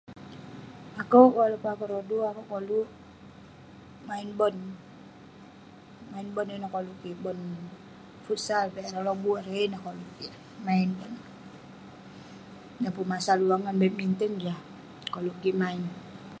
Akouk walaupun akouk rodu, akouk kolouk main bon. Main bon ineh koluk kik. Main bon futsal malai piak ireh lobuk erei ineh koluk kik. Danpun masa luang, maunbadminton ineh koluk kik.